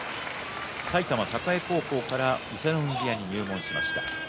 埼玉栄高校から伊勢ノ海部屋に入門しました。